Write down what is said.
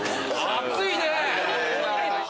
熱いね！